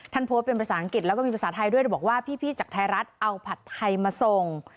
โพสต์เป็นภาษาอังกฤษแล้วก็มีภาษาไทยด้วยบอกว่าพี่จากไทยรัฐเอาผัดไทยมาส่ง